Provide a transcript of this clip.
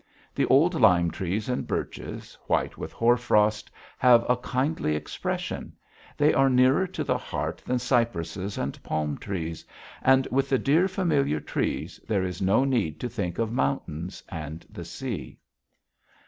The old lime trees and birches, white with hoarfrost, have a kindly expression; they are nearer to the heart than cypresses and palm trees, and with the dear familiar trees there is no need to think of mountains and the sea.